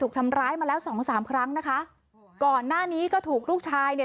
ทำร้ายมาแล้วสองสามครั้งนะคะก่อนหน้านี้ก็ถูกลูกชายเนี่ย